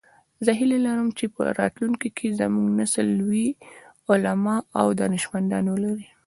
زه هیله لرم چې په راتلونکي کې زموږ نسل لوی علماء او دانشمندان ولری